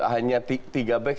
hanya tiga back